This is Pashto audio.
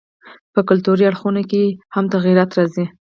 په کلتوري اړخونو کښي ئې هم تغيرات راځي.